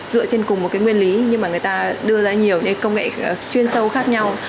dựa trên cùng một cái nguyên lý nhưng mà người ta đưa ra nhiều cái công nghệ chuyên sâu khác nhau